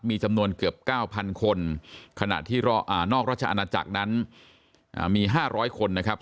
มีจำนวนเกือบ๙๐๐คนขณะที่นอกราชอาณาจักรนั้นมี๕๐๐คนนะครับ